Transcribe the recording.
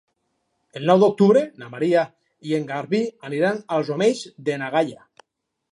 El nou d'octubre na Maria i en Garbí aniran als Omells de na Gaia.